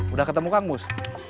udah ketemu kang mus